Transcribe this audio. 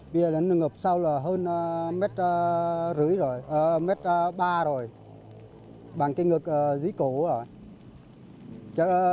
bây giờ nó ngập sau là hơn mét ba rồi bằng cái ngực dưới cổ